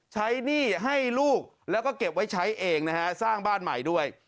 หนี้ให้ลูกแล้วก็เก็บไว้ใช้เองนะฮะสร้างบ้านใหม่ด้วย